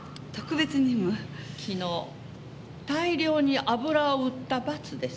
昨日大量に油を売った罰です。